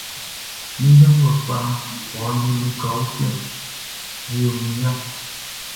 Mi janvuɛ kpaʼn ɔli lika uflɛ, ɔ yo min ya.